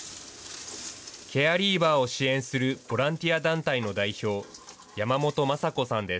ケアリーバーを支援するボランティア団体の代表、山本昌子さんです。